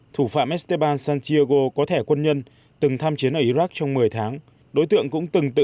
thủ phạm esteban santiago có thẻ quân nhân từng tham chiến ở iraq trong một mươi tháng